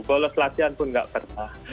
boles latihan pun tidak pernah